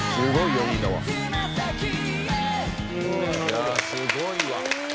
いやすごいわ。